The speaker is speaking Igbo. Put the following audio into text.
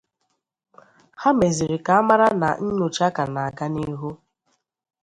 Ha mezịrị ka a mara na nnyocha ka na-aga n'ihu